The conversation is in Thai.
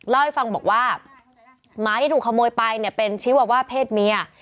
เล่าให้ฟังบอกว่าไม้ถูกขโมยไปเนี่ยเป็นชีวว่าเพศเมีย